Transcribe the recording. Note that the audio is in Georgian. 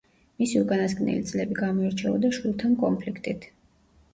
მისი უკანასკნელი წლები გამოირჩეოდა შვილთან კონფლიქტით.